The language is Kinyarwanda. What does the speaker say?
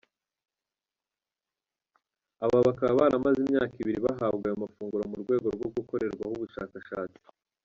Aba bakaba baramaze imyaka ibiri bahabwa ayo mafunguro mu rwego rwo gukorerwaho ubushakashatsi.